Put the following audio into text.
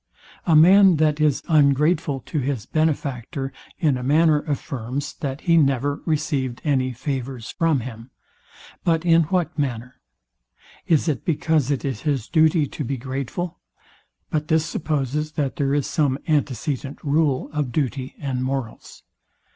A man that is ungrateful to his benefactor, in a manner affirms, that he never received any favours from him. But in what manner? Is it because it is his duty to be grateful? But this supposes, that there is some antecedent rule of duty and morals.